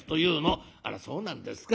「あらそうなんですか。